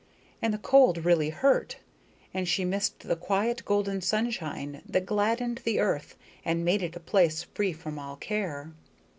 And the cold really hurt, and she missed the quiet golden sunshine that gladdened the earth and made it a place free from all care.